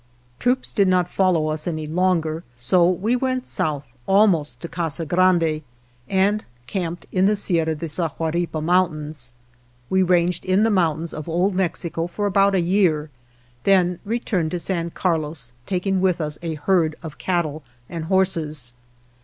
Troops did not follow us any longer, so we went south almost to Casa Grande and camped in the Sierra de Sahuaripa Mountains. We ranged in the mountains of Old Mexico for about a year, then re turned to San Carlos, taking with us a herd of cattle and horses.